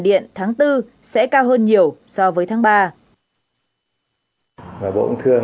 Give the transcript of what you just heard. về sau càng cao